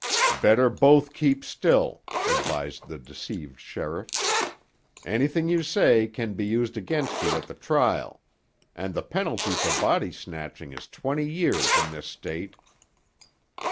"Better both keep still," advised the deceived sheriff. "Anything you say can be used against you at the trial. And the penalty for body snatching is twenty years in this state."